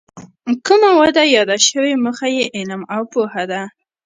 کومه ونه یاده شوې موخه یې علم او پوهه ده.